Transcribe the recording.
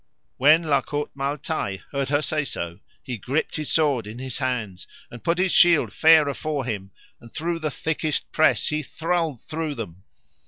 When La Cote Male Taile heard her say so he gripped his sword in his hands, and put his shield fair afore him, and through the thickest press he thrulled through them.